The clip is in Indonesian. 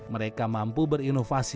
mereka mampu berinovasi